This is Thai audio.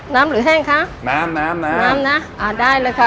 น้ำหรือแห้งคะทีนี้ค่ะน้ำน้ำน้ำน้ำนะอ่าได้แล้วค่ะ